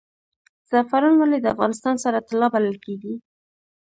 زعفران ولې د افغانستان سره طلا بلل کیږي؟